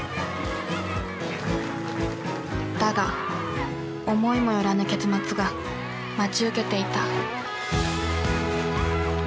だが思いもよらぬ結末が待ち受けていた。